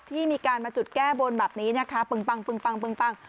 ที่มีการมาจุดแก้บนแบบนี้นะคะปึงปังปึงปัง